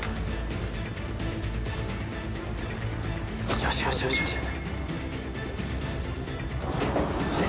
よしよしよしよしあっ